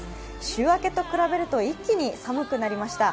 週明けと比べると一気に寒くなりました。